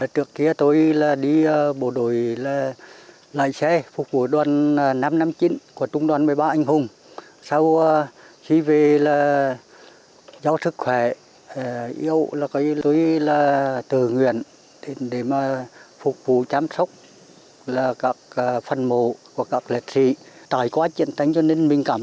trước kia tôi đi bộ đội lành xe phục vụ đoàn năm trăm năm mươi chín của trung đoàn